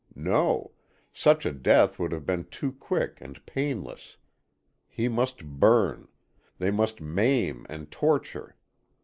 No! Such a death would have been too quick and painless. He must burn; they must maim and torture.